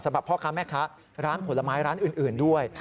พ่อค้าแม่ค้าร้านผลไม้ร้านอื่นด้วย